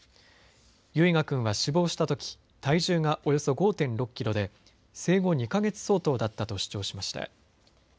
唯雅君は死亡したとき体重がおよそ５．６キロで生後２か月相当だったと主張しました。